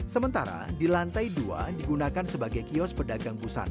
sementara di lantai dua digunakan sebagai kios pedagang busana